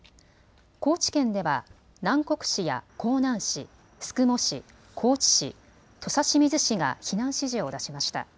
高知県では南国市や香南市、宿毛市、高知市、土佐清水市が避難指示を出しました。